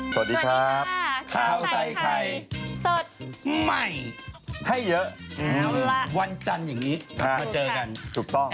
สวัสดีครับข้าวใส่ไข่สดใหม่ให้เยอะวันจันทร์อย่างนี้มาเจอกันถูกต้อง